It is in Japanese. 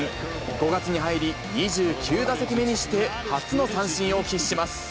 ５月に入り、２９打席目にして初の三振を喫します。